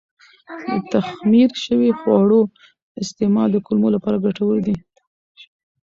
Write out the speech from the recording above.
د تخمیر شوي خواړو استعمال د کولمو لپاره ګټور دی.